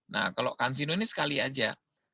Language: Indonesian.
nah kalau kansino ini sekali aja